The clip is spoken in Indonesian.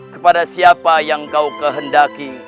kepada siapa yang kau kehendaki